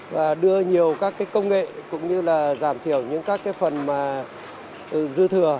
và đưa nhiều các công nghệ cũng như là giảm thiểu những các phần dư thừa